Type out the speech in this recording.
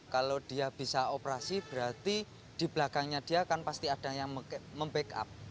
kalau dia bisa operasi berarti di belakangnya dia kan pasti ada yang membackup